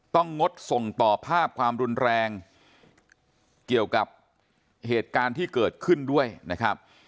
งดส่งต่อภาพความรุนแรงเกี่ยวกับเหตุการณ์ที่เกิดขึ้นด้วยนะครับ